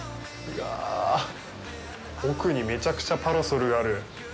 奥にめちゃくちゃパラソルがある。